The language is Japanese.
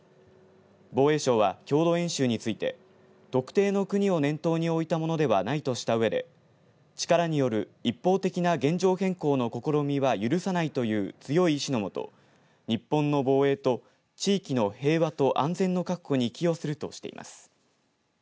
防衛省は共同演習について特定の国を念頭に置いたものではないとしたうえで力による一方的な現状変更の試みは許さないという強い意志の下日本の防衛と地域の平和と安全の確保に寄与するとしています。